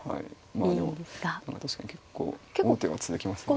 まあでも確かに結構王手は続きますね。